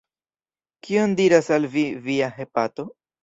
Kion diras al Vi Via hepato?